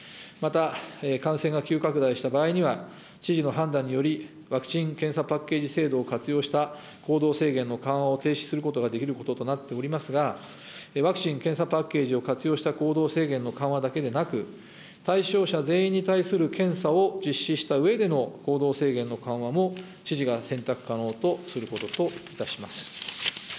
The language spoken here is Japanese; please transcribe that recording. また、感染が急拡大した場合には、知事の判断により、ワクチン・検査パッケージ制度を活用した行動制限の緩和を停止することができることとなっておりますが、ワクチン・検査パッケージを活用した行動制限の緩和だけでなく、対象者全員に対する検査を実施したうえでの行動制限の緩和も、知事が選択可能とすることといたします。